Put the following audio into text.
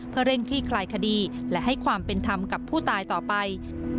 เพื่อเร่งคลี่คลายคดีและให้ความเป็นธรรมกับผู้ตายต่อไป